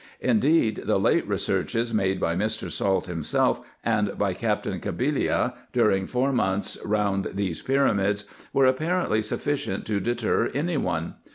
Indeed, the late researches made by Mr. Salt him self, and by Captain Cabilia, during four months, round these pyramids, were apparently sufficient to deter any one.